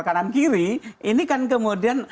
kanan kiri ini kan kemudian